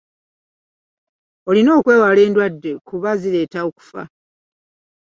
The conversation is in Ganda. Olina okwewala endwadde kuba zireeta okufa.